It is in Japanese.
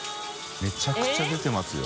めちゃくちゃ出てますよ。